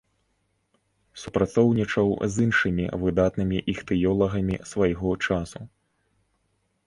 Супрацоўнічаў з іншымі выдатнымі іхтыёлагамі свайго часу.